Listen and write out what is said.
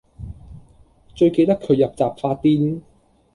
最記得佢入閘發癲